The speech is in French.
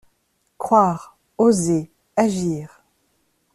Croire, oser, agir